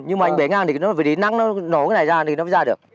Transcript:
nhưng mà anh bể ngang thì nó phải đến nắng nó nổ cái này ra thì nó ra được